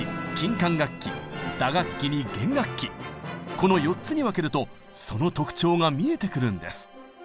この４つに分けるとその特徴が見えてくるんです。